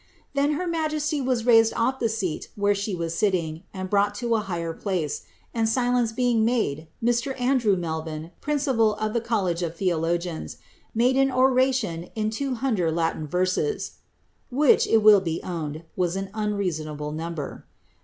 ^ Then her majesty was raised off the seat where she was sitting, and brought to a higher place ; and silence being made, Mr. Andrew Melvin, principal of the College of Theologians, made ane oration in twa hunder Latin Terses,*" which, it will be owned, was an unreasonable number.